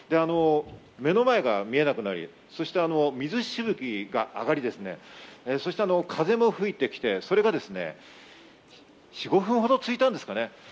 目の前が見えなくなり、水しぶきが上がり、風も吹いてきて、それが４５分ほど続いたんですかね。